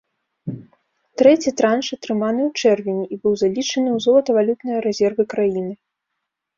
Трэці транш атрыманы ў чэрвені і быў залічаны ў золатавалютныя рэзервы краіны.